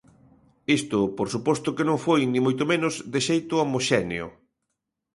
Isto, por suposto que non foi, nin moito menos, de xeito homoxéneo.